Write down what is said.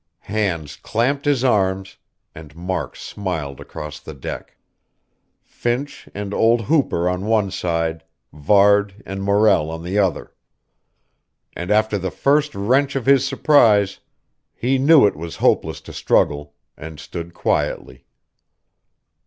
Hands clamped his arms, and Mark smiled across the deck. Finch and old Hooper on one side, Varde and Morrell on the other. And after the first wrench of his surprise, he knew it was hopeless to struggle, and stood quietly.